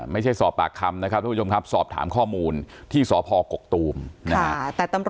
ไม่ใช่สอบปากคำนะครับทุกผู้ชมครับสอบถามข้อมูลที่สพกกตูมนะฮะ